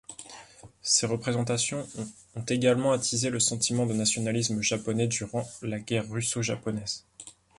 Ces représentations ont également attisé le sentiment nationalisme japonais durant la guerre russo-japonaise.